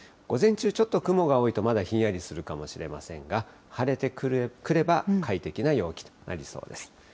午前中、ちょっと雲が多いと、まだひんやりとするかもしれませんが、晴れてくれば快適な陽気となりそうです。